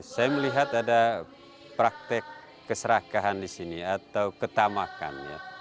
saya melihat ada praktek keserakahan di sini atau ketamakan